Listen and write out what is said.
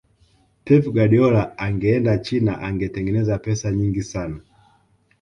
pep guardiola angeenda china angetengeneza pesa nyingi sana